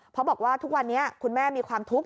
เพราะบอกว่าทุกวันนี้คุณแม่มีความทุกข์